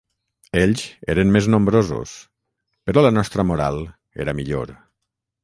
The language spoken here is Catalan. Ells eren més nombrosos, però la nostra moral era millor